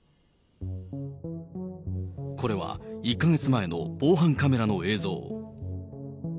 これは、１か月前の防犯カメラの映像。